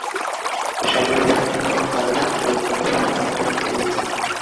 স্বামী বিবাহের পর কালেভদ্রে এ গ্রামে পদার্পণ করিতেন।